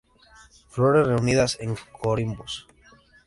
Flores reunidas en corimbos.